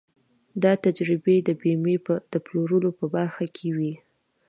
دا تجربې د بيمې د پلورلو په برخه کې وې.